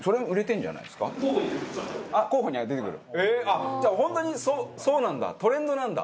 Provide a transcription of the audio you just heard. あっじゃあ本当にそうなんだ。